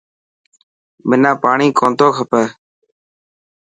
منا پاڻي ڪونٿو کپي.